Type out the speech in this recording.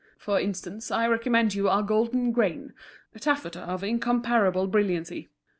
"For instance, I recommend you our Golden Grain, a taffeta of incomparable brilliancy.